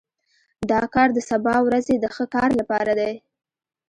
دا کار د سبا ورځې د ښه کار لپاره دی